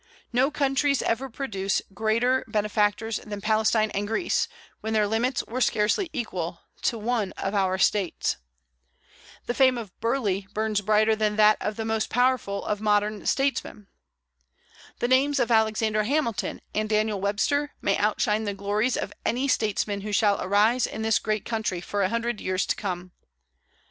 No countries ever produced greater benefactors than Palestine and Greece, when their limits were scarcely equal to one of our States. The fame of Burleigh burns brighter than that of the most powerful of modern statesmen. The names of Alexander Hamilton and Daniel Webster may outshine the glories of any statesmen who shall arise in this great country for a hundred years to come.